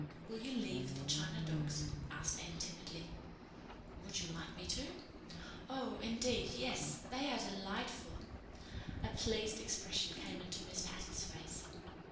"Will you leave the china dogs?" asked Anne timidly. "Would you like me to?" "Oh, indeed, yes. They are delightful." A pleased expression came into Miss Patty's face.